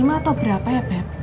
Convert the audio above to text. tujuh puluh lima atau berapa ya beb